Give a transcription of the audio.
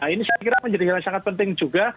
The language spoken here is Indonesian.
ini saya kira menjadi hal yang sangat penting juga